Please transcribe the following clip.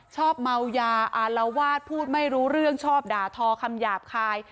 ชอบเมายาอารวาสพูดไม่รู้เรื่องชอบด่าทอคำหยาบคาย